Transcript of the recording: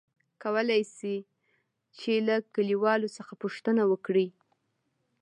کولاى شې ،چې له کليوالو څخه پوښتنه وکړې ؟